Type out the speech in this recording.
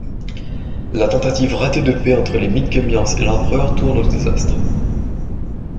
La tentative ratée de paix entre les midkemians et l'Empereur tourne au désastre.